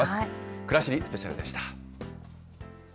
くらしりスペシャルでした。